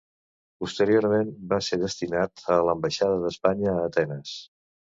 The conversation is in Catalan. Posteriorment va ser destinat a l'Ambaixada d'Espanya a Atenes.